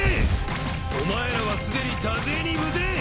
お前らはすでに多勢に無勢！